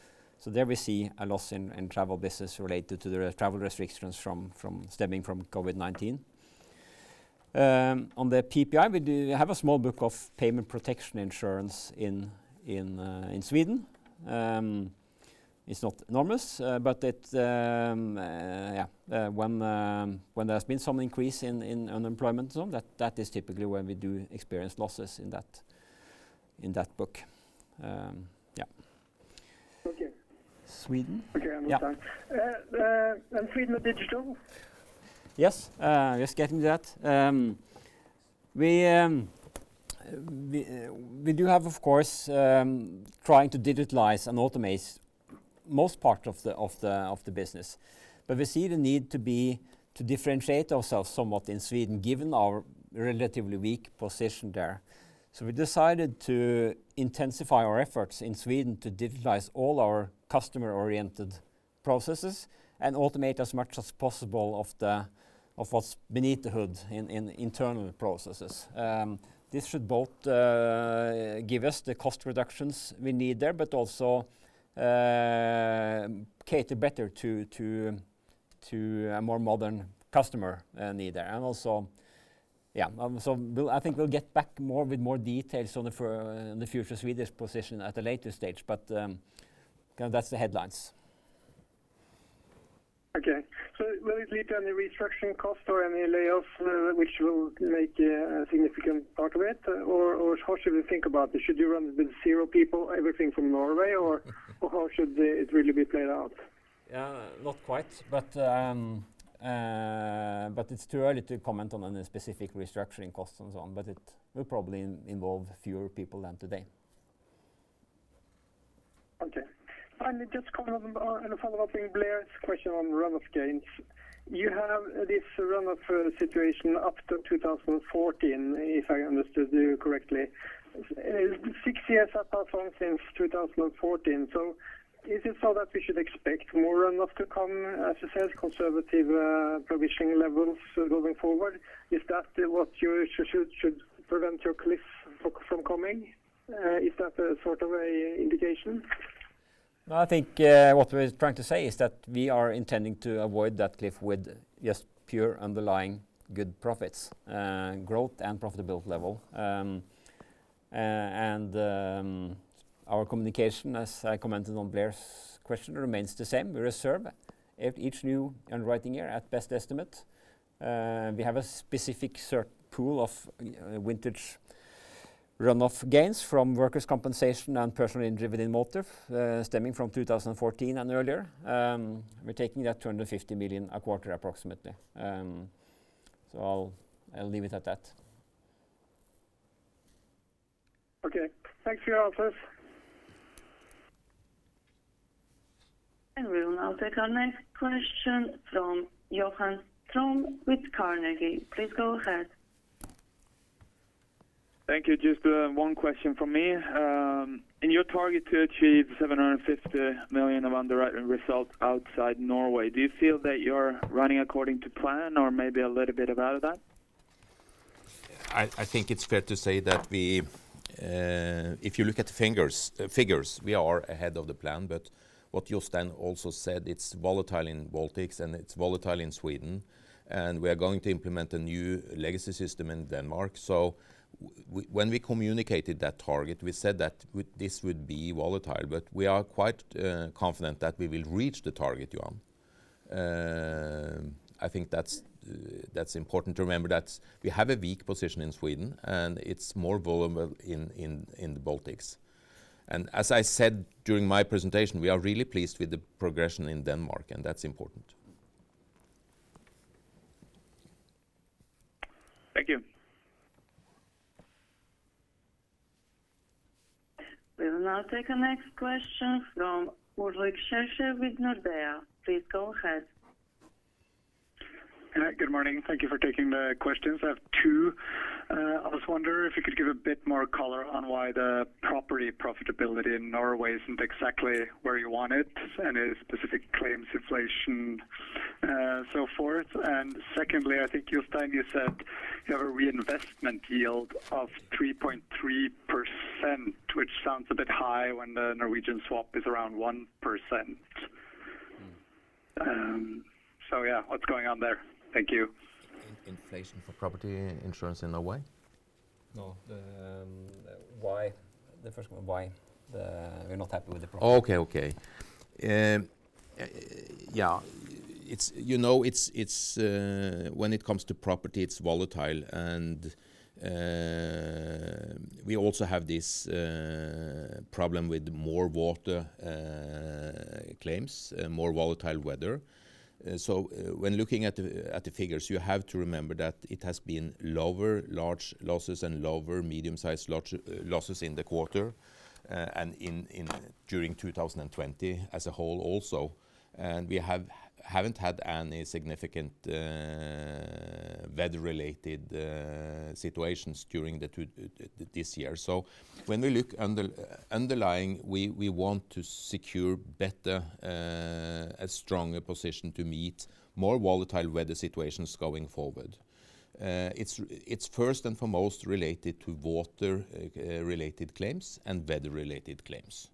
There we see a loss in travel business related to the travel restrictions stemming from COVID-19. On the PPI, we have a small book of payment protection insurance in Sweden. It's not enormous, but when there's been some increase in unemployment, that is typically when we do experience losses in that book. Okay. Sweden. Okay, understand. Sweden digital? Yes. Just getting to that. We do have, of course, trying to digitalize and automate most part of the business, but we see the need to differentiate ourselves somewhat in Sweden, given our relatively weak position there. We decided to intensify our efforts in Sweden to digitalize all our customer-oriented processes and automate as much as possible of what's beneath the hood in internal processes. This should both give us the cost reductions we need there, but also, cater better to a more modern customer need there. I think we'll get back with more details on the future Swedish position at a later stage, but that's the headlines. Okay. Will it lead to any restructuring cost or any layoffs which will make a significant part of it? How should we think about this? Should you run with zero people, everything from Norway, or how should it really be played out? Not quite, but it's too early to comment on any specific restructuring costs and so on, but it will probably involve fewer people than today. Okay. Finally, just following up on Blair's question on runoff gains. You have this runoff situation up to 2014, if I understood you correctly. It's six years upon us since 2014. Is it so that we should expect more runoff to come, as you said, conservative provisioning levels going forward? Is that what should prevent your cliff from coming? Is that a sort of an indication? No, I think what we're trying to say is that we are intending to avoid that cliff with just pure underlying good profits, growth and profitability level. Our communication, as I commented on Blair's question, remains the same. We reserve each new underwriting year at best estimate. We have a specific pool of vintage runoff gains from workers' compensation and personal injury within motor, stemming from 2014 and earlier. We're taking that 250 million a quarter approximately. I'll leave it at that. Okay. Thanks for your answers. We will now take our next question from Johan Ström with Carnegie. Please go ahead. Thank you. Just one question from me. In your target to achieve 750 million of underwriting results outside Norway, do you feel that you're running according to plan or maybe a little bit about that? I think it's fair to say that if you look at the figures, we are ahead of the plan. What Jostein also said, it's volatile in Baltics and it's volatile in Sweden, and we are going to implement a new legacy system in Denmark. When we communicated that target, we said that this would be volatile. We are quite confident that we will reach the target, Johan. I think that's important to remember, that we have a weak position in Sweden. It's more vulnerable in the Baltics. As I said during my presentation, we are really pleased with the progression in Denmark. That's important. Thank you. We will now take the next question from Ulrik Zürcher with Nordea. Please go ahead. Good morning. Thank you for taking the questions. I have two. I was wondering if you could give a bit more color on why the property profitability in Norway isn't exactly where you want it, and is specific claims inflation, so forth. Secondly, I think Jostein, you said you have a reinvestment yield of 3.3%, which sounds a bit high when the Norwegian swap is around 1%. Yeah. What's going on there? Thank you. Inflation for property insurance in Norway? No. The first one, why we're not happy with the property. When it comes to property, it's volatile, and we also have this problem with more water claims, more volatile weather. When looking at the figures, you have to remember that it has been lower large losses and lower medium-sized losses in the quarter, and during 2020 as a whole also. We haven't had any significant weather-related situations during this year. When we look underlying, we want to secure better, a stronger position to meet more volatile weather situations going forward. It's first and foremost related to water-related claims and weather-related claims.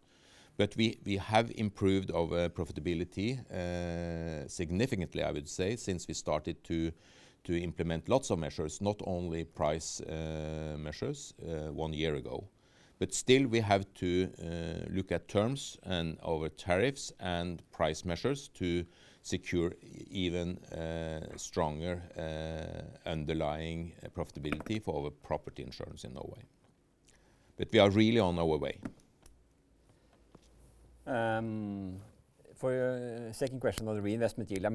We have improved our profitability, significantly, I would say, since we started to implement lots of measures, not only price measures one year ago. Still we have to look at terms and our tariffs and price measures to secure even stronger underlying profitability for our property insurance in Norway. We are really on our way. For your second question on the reinvestment yield,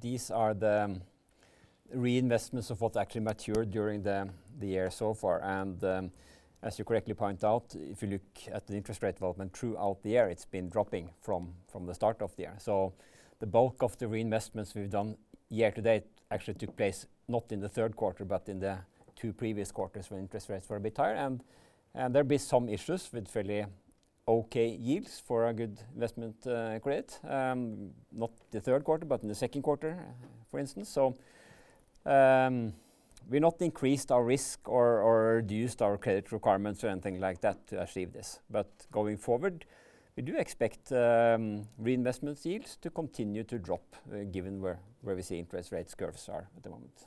these are the reinvestments of what actually matured during the year so far. As you correctly point out, if you look at the interest rate development throughout the year, it's been dropping from the start of the year. The bulk of the reinvestments we've done year to date actually took place not in the third quarter, but in the two previous quarters when interest rates were a bit higher. There'll be some issues with fairly okay yields for a good investment grade. Not the third quarter, but in the second quarter, for instance. We've not increased our risk or reduced our credit requirements or anything like that to achieve this. Going forward, we do expect reinvestment yields to continue to drop, given where we see interest rates curves are at the moment.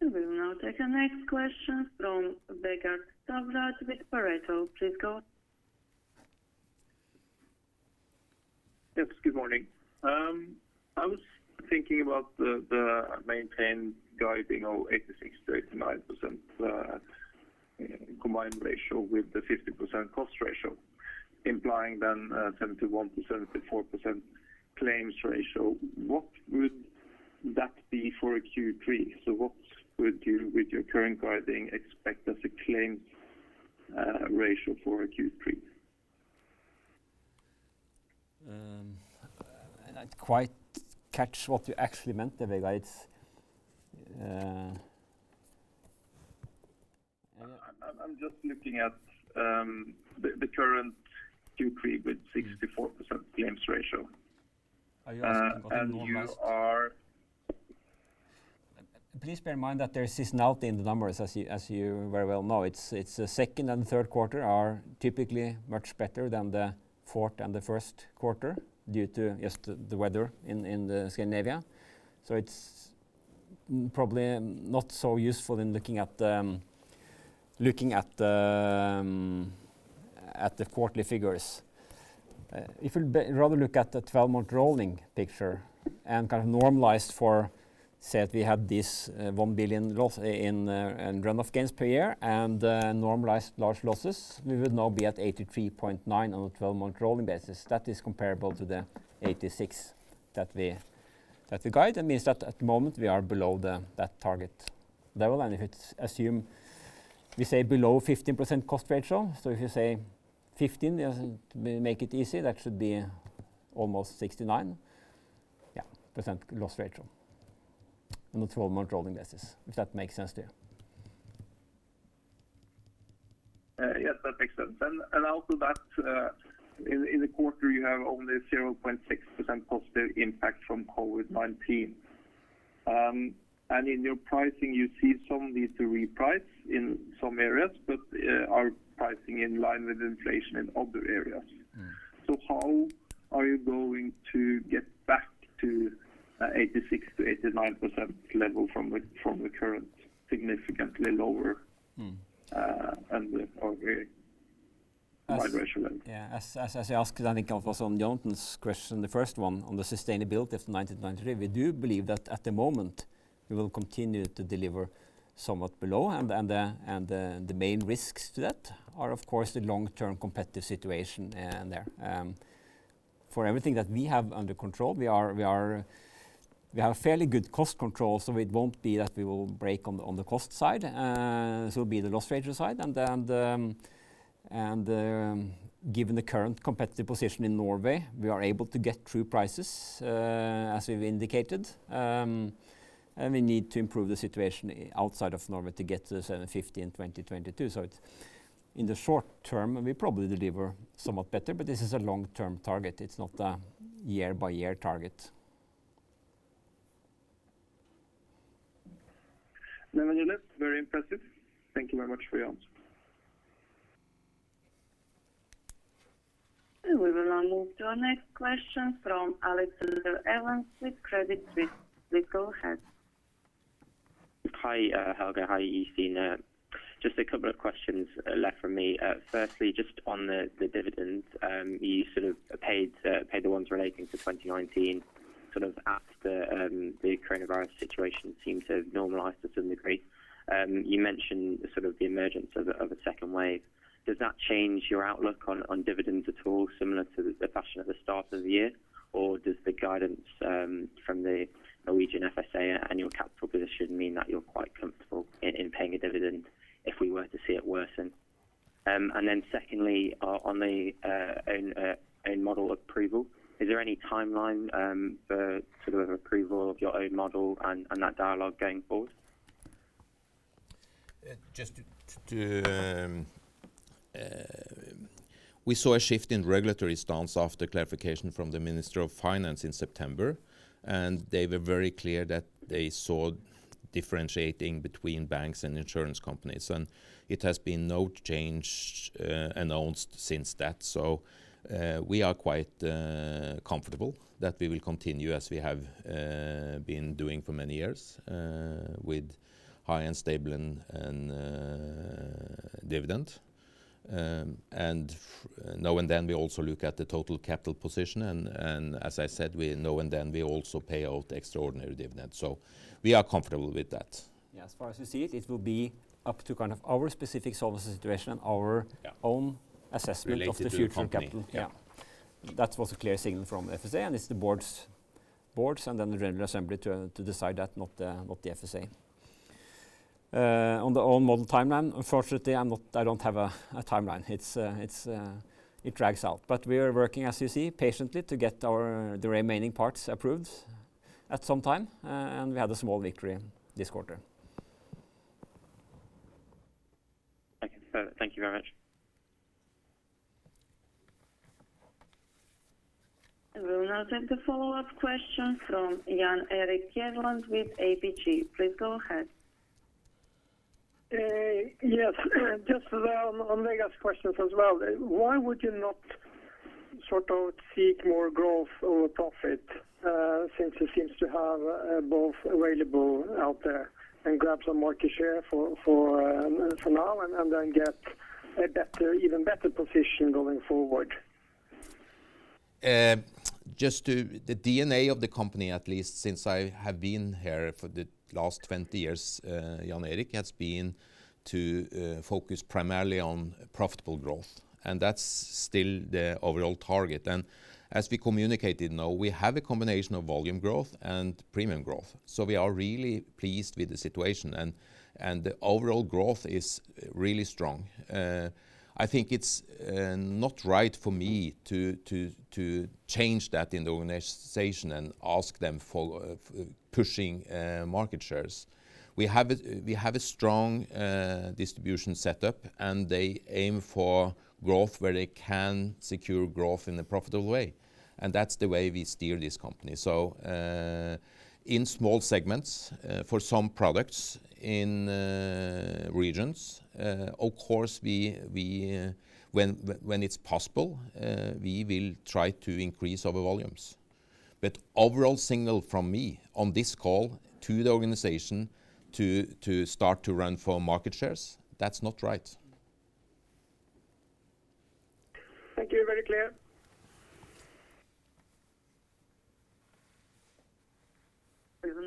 Okay. Thank you. Great. We will now take the next question from Vegard Toverud with Pareto. Please go ahead. Yes. Good morning. I was thinking about the maintained guiding of 86%-89% combined ratio with the 50% cost ratio, implying then a 71%-74% claims ratio. What would that be for a Q3? What would you, with your current guiding, expect as a claim ratio for a Q3? I didn't quite catch what you actually meant there, Vegard. I'm just looking at the current Q3 with 64% claims ratio. Are you asking about the normalized? And you are- Please bear in mind that there is seasonality in the numbers as you very well know. It's the second and third quarter are typically much better than the fourth and the first quarter due to just the weather in Scandinavia. It's probably not so useful in looking at the quarterly figures. If you'd rather look at the 12-month rolling picture and kind of normalized for, say that we had this 1 billion loss in runoff gains per year and normalized large losses, we would now be at 83.9 on a 12-month rolling basis. That is comparable to the 86 that we guide, and means that at the moment we are below that target level. If it's assumed, we say below 15% cost ratio. If you say 15%, to make it easy, that should be almost 69% loss ratio on a 12-month rolling basis. If that makes sense to you. Yes, that makes sense. Also that in the quarter, you have only 0.6% positive impact from COVID-19. In your pricing, you see some need to reprice in some areas, but are pricing in line with inflation in other areas. How are you going to get back to 86%-89% level from the current significantly lower combined ratio level? Yeah. As you asked, I think it was on Jon's question, the first one on the sustainability of 93. We do believe that at the moment we will continue to deliver somewhat below and the main risks to that are of course the long-term competitive situation in there. For everything that we have under control, we have a fairly good cost control, so it won't be that we will break on the cost side. This will be the loss ratio side. Given the current competitive position in Norway, we are able to get through prices, as we've indicated. We need to improve the situation outside of Norway to get to the 750 in 2022. It's in the short term, we probably deliver somewhat better, but this is a long-term target. It's not a year-by-year target. Nevertheless, very impressive. Thank you very much for your answer. We will now move to our next question from Alexander Evans with Credit Suisse. Please go ahead. Hi, Helge. Hi, Jostein. Just a couple of questions left from me. Firstly, just on the dividend. You paid the ones relating to 2019, after the coronavirus situation seemed to have normalized to some degree. You mentioned the emergence of a second wave. Does that change your outlook on dividends at all, similar to the fashion at the start of the year? Does the guidance from the Norwegian FSA annual capital position mean that you're quite comfortable in paying a dividend if we were to see it worsen? Secondly, on the own model approval, is there any timeline for approval of your own model and that dialogue going forward? We saw a shift in regulatory stance after clarification from the Minister of Finance in September, and they were very clear that they saw differentiating between banks and insurance companies, and it has been no change announced since that. We are quite comfortable that we will continue as we have been doing for many years, with high and stable dividend. Now and then we also look at the total capital position and, as I said, now and then we also pay out extraordinary dividends. We are comfortable with that. Yeah. As far as we see it will be up to our specific solvency situation and our- Yeah own assessment of the future capital. Related to the company. Yeah. That was a clear signal from the FSA, and it's the boards and then the general assembly to decide that, not the FSA. On the own model timeline, unfortunately, I don't have a timeline. It drags out. We are working, as you see, patiently to get the remaining parts approved at some time, and we had a small victory this quarter. Thank you, sir. Thank you very much. We will now take a follow-up question from Jan Erik Gjerland with ABG. Please go ahead. Yes. Just on Vegard's questions as well. Why would you not seek more growth over profit, since you seem to have both available out there, and grab some market share for now and then get an even better position going forward? The DNA of the company, at least since I have been here for the last 20 years, Jan Erik, has been to focus primarily on profitable growth, and that's still the overall target. As we communicated now, we have a combination of volume growth and premium growth. We are really pleased with the situation, and the overall growth is really strong. I think it's not right for me to change that in the organization and ask them for pushing market shares. We have a strong distribution set up, and they aim for growth where they can secure growth in a profitable way, and that's the way we steer this company. In small segments, for some products in regions, of course, when it's possible, we will try to increase our volumes. The overall signal from me on this call to the organization to start to run for market shares, that's not right. Thank you. Very clear.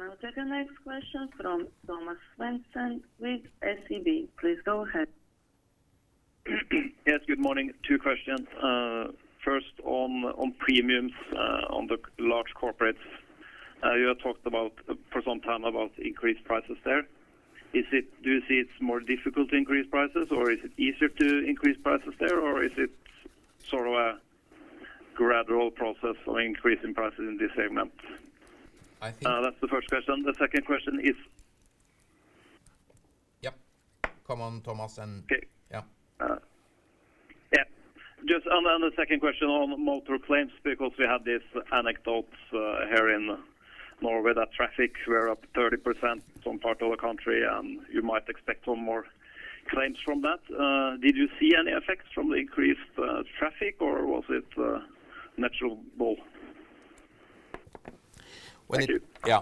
We will now take the next question from Thomas Svendsen with SEB. Please go ahead. Yes, good morning. Two questions. First on premiums on the large corporates. You have talked about, for some time about increased prices there. Do you see it's more difficult to increase prices, or is it easier to increase prices there, or is it a gradual process of increasing prices in this segment? I think- That's the first question. The second question is- Yep. Come on, Thomas. Okay yeah. Yeah. Just on the second question on motor claims, because we had these anecdotes here in Norway that traffic were up 30% in some parts of the country, and you might expect some more claims from that. Did you see any effects from the increased traffic, or was it natural? Thank you. Yeah.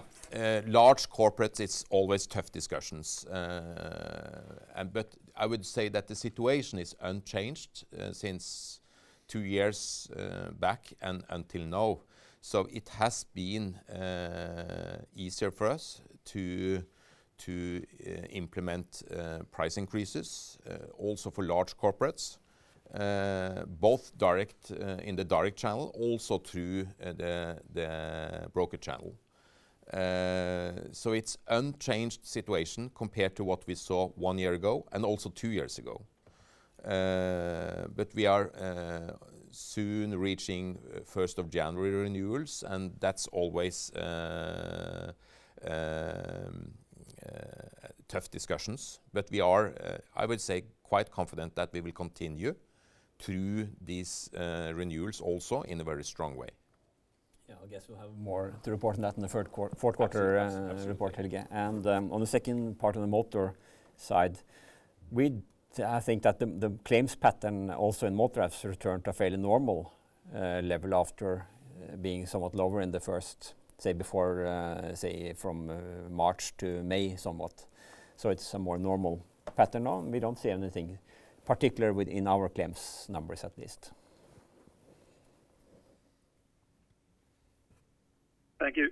Large corporates, it's always tough discussions. I would say that the situation is unchanged since two years back and until now. It has been easier for us to implement price increases, also for large corporates, both in the direct channel, also through the broker channel. It's unchanged situation compared to what we saw one year ago and also two years ago. We are soon reaching January 1st renewals, and that's always tough discussions. We are, I would say, quite confident that we will continue through these renewals also in a very strong way. Yeah, I guess we'll have more to report on that in the fourth quarter. Absolutely report, Helge. On the second part on the motor side, I think that the claims pattern also in motor has returned to a fairly normal level after being somewhat lower in the first, say from March to May, somewhat. It's a more normal pattern now. We don't see anything particular within our claims numbers at least. Thank you.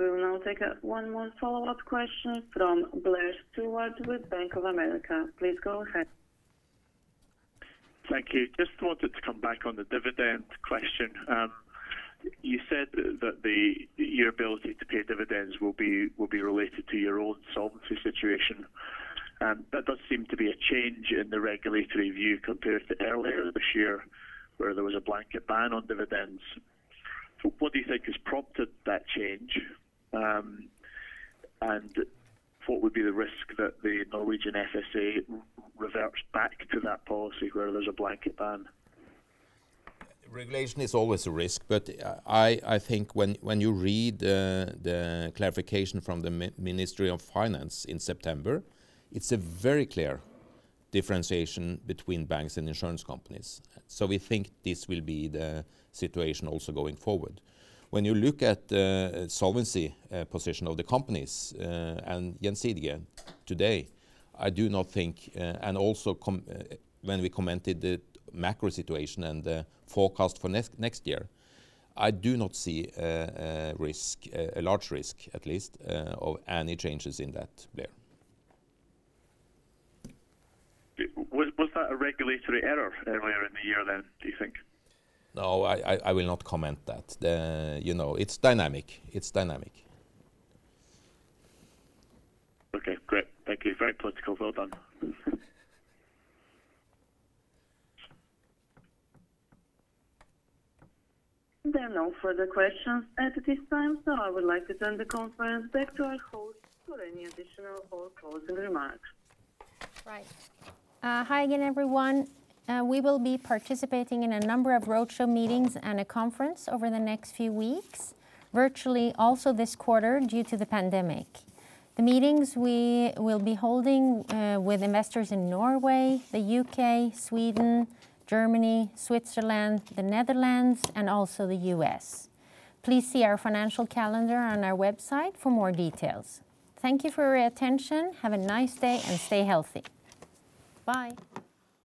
We will now take one more follow-up question from Blair Stewart with Bank of America. Please go ahead. Thank you. Just wanted to come back on the dividend question. You said that your ability to pay dividends will be related to your own solvency situation. That does seem to be a change in the regulatory view compared to earlier this year, where there was a blanket ban on dividends. What do you think has prompted that change? What would be the risk that the Norwegian FSA reverts back to that policy where there's a blanket ban? Regulation is always a risk, but I think when you read the clarification from the Ministry of Finance in September, it's a very clear differentiation between banks and insurance companies. We think this will be the situation also going forward. When you look at the solvency position of the companies and Gjensidige today, I do not think, and also when we commented the macro situation and the forecast for next year, I do not see a large risk at least of any changes in that there. Was that a regulatory error earlier in the year then, do you think? No, I will not comment that. It's dynamic. Okay, great. Thank you. Very political. Well done. There are no further questions at this time. I would like to turn the conference back to our host for any additional or closing remarks. Right. Hi again, everyone. We will be participating in a number of roadshow meetings and a conference over the next few weeks, virtually also this quarter due to the pandemic. The meetings we will be holding with investors in Norway, the U.K., Sweden, Germany, Switzerland, the Netherlands, and also the U.S. Please see our financial calendar on our website for more details. Thank you for your attention. Have a nice day and stay healthy. Bye.